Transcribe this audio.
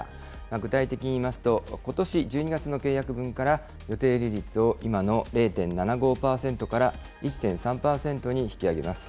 具体的に言いますと、ことし１２月の契約分から、予定利率を今の０．７５％から１．３％に引き上げます。